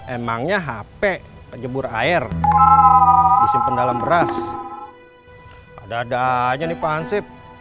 emangnya hp kejebur air di simpen dalam beras ada ada aja nih pak ansip